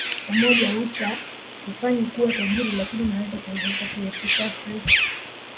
Umoja hautatufanya kuwa tajiri lakini unaweza kuwezesha kuiepusha Afrika